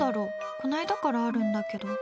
この間からあるんだけど。